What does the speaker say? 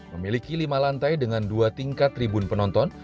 memiliki lima lantai dengan dua tingkat tribun penonton